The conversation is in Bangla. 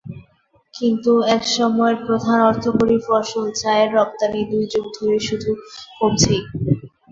কিন্তু একসময়ের প্রধান অর্থকরী ফসল চায়ের রপ্তানি দুই যুগ ধরে শুধু কমছেই।